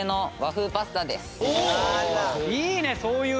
いいねそういうの。